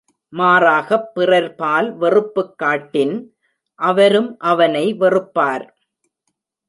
மாறாகப் பிறர்பால் வெறுப்புக் காட்டின், அவரும் அவனை வெறுப்பார்.